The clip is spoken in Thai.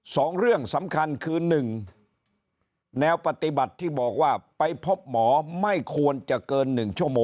สองเรื่องสำคัญคือ๑แนวปฏิบัติที่บอกว่าไปพบหมอไม่ควรจะเกิน๑ช